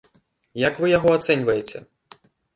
Як вы яго ацэньваеце?